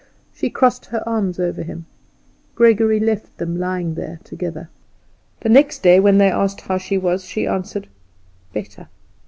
She crossed her arms over him. Gregory left them lying there together. Next day, when they asked her how she was, she answered "Better."